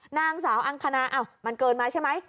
นางสาวอังคณามันเกินมาใช่ไหม